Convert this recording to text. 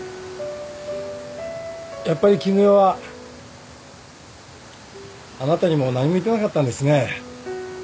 やっぱり絹代はあなたにも何も言ってなかったんですね。